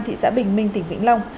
thị xã bình minh tỉnh vĩnh long